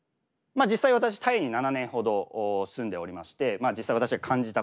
実際私タイに７年ほど住んでおりまして実際私が感じたことですね。